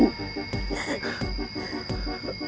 kamu udah bohong sama ibu